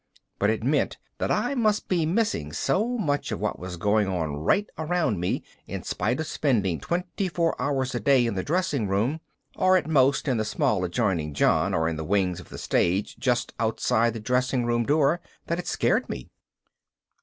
But it meant that I must be missing so much of what was going on right around me, in spite of spending 24 hours a day in the dressing room, or at most in the small adjoining john or in the wings of the stage just outside the dressing room door, that it scared me.